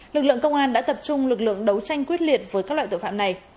lực lượng công an đã tập trung lực lượng đấu tranh quyết liệt với các loại tội phạm này